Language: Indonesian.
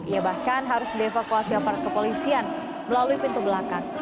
ia bahkan harus dievakuasi aparat kepolisian melalui pintu belakang